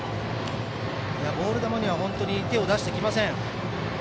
ボール球には手を出してきません。